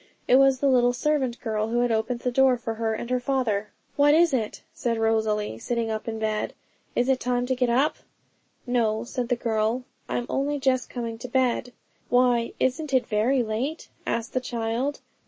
It was the little servant girl who had opened the door for her and her father. 'What is it?' said Rosalie, sitting up in bed; 'is it time to get up?' 'No,' said the girl; 'I'm only just coming to bed.' 'Why, isn't it very late?' asked the child.